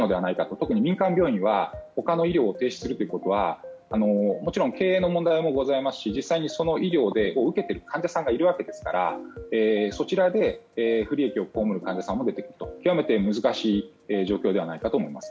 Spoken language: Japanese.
特に民間病院は他の医療を停止するということはもちろん経営の問題もありますし実際に、その医療を受けている患者さんがいるわけですからそちらで不利益を被る患者さんもいるという極めて難しい状況だと思います。